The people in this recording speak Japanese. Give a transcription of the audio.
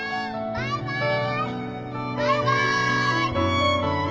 バイバイ。